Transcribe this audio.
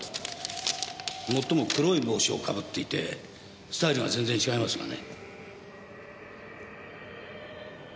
もっとも黒い帽子をかぶっていてスタイルが全然違いますがね。